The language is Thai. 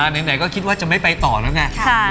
ไหนก็คิดว่าจะไม่ไปต่อแล้วไง